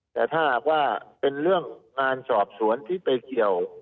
แต่ถ้าหากว่าเป็นเรื่องงานสอบสวนที่ไปเกี่ยว